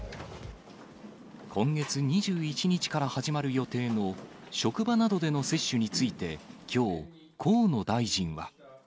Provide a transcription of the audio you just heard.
今月２１日から始まる予定の職場などでの接種について、きょう、河野大臣は。